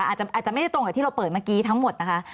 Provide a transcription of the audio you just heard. อาจจะไม่ได้ตรงกับที่เราเปิดเมื่อกี้ทั้งหมดนะคะ